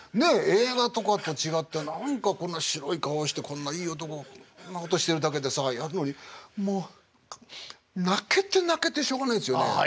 映画とかと違ってこんな白い顔したこんないい男がこんなことしてるだけでさやるのにもう泣けて泣けてしょうがないんですよね。